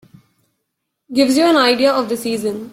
Gives you an idea of the season.